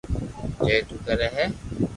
جي تو ڪري ھي